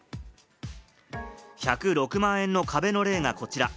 １０６万円の壁の例が、こちら。